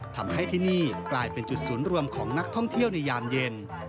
ทำให้ที่นี่กลายเป็นจุดศูนย์รวมของนักท่องเที่ยวในยามเย็น